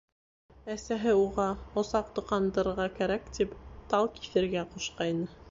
Әсәһе уға, усаҡ тоҡандырырға кәрәк, тип тал киҫергә ҡушҡайны.